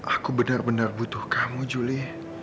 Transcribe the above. aku benar benar butuh kamu julie